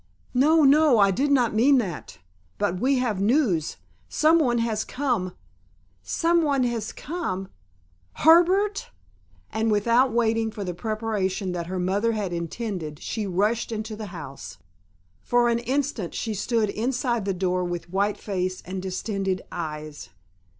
"No, no, I did not mean that. But we have news—some one has come——" "Some one has come—Herbert?" and without waiting for the preparation that her mother had intended, she rushed into the house. For an instant she stood inside the door with white face and distended eyes.